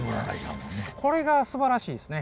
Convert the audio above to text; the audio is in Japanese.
これがすばらしいですね。